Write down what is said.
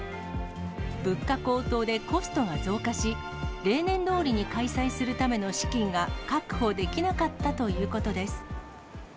物価高騰でコストが増加し、例年どおりに開催するための資金が確保できなかったということです。